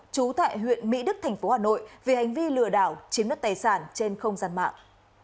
trú tại huyện mỹ đức thành phố hà nội vì hành vi lừa đảo chiếm đất tài sản trên không gian mạng